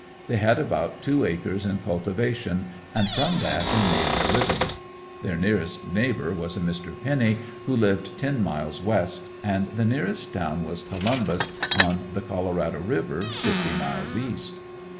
They had about two acres in cultivation and from that they made their living. Their nearest neighbor was a Mr. Penny, who lived ten miles west and the nearest town was Columbus, on the Colorado river, fifty miles east.